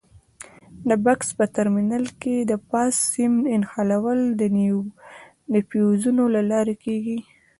د بکس په ترمینل کې د فاز سیم نښلول د فیوزونو له لارې کېږي.